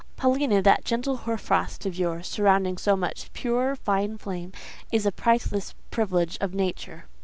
Paulina, that gentle hoar frost of yours, surrounding so much pure, fine flame, is a priceless privilege of nature."